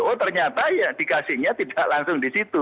oh ternyata ya dikasihnya tidak langsung di situ